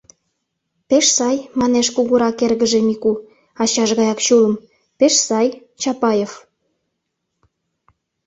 — Пеш сай, — манеш кугурак эргыже Мику, ачаж гаяк чулым, — пеш сай — «Чапаев».